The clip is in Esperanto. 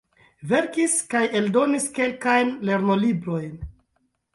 Verkis kaj eldonis kelkajn lernolibrojn.